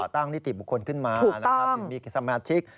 ตั้งนิติบุคคลขึ้นมาถึงมีสมาชิก